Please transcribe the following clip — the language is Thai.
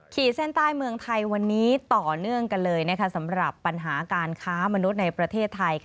ขีดเส้นใต้เมืองไทยวันนี้ต่อเนื่องกันเลยสำหรับปัญหาการค้ามนุษย์ในประเทศไทย